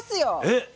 えっ⁉